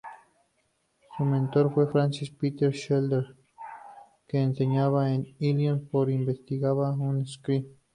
Su mentor fue Francis Parker Shepard, que enseñaba en Illinois pero investigaba en Scripps.